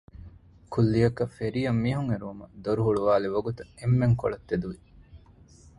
ކުއްލިއަކަށް ފެރީއަށް މީހުން އެރުވުމަށް ދޮރު ހުޅުވައިލި ވަގުތު އެންމެން ކޮޅަށް ތެދުވި